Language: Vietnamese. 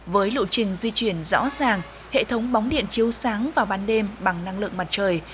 với lộ trình di chuyển rõ ràng hệ thống bóng điện chiếu sáng vào ban đêm bằng năng lượng mặt trời